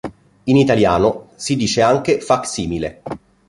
In italiano si dice anche facsimile.